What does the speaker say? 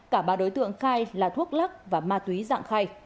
cả ba đối tượng khai là thuốc lắc và ma túy dạng khay